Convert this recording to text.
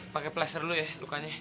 pakai placer dulu ya lukanya